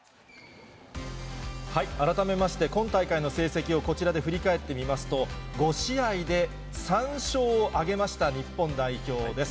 改めまして、今大会の成績をこちらで振り返ってみますと、５試合で３勝を挙げました日本代表です。